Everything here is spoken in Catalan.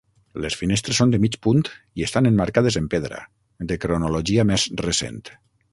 Les finestres són de mig punt i estan emmarcades en pedra, de cronologia més recent.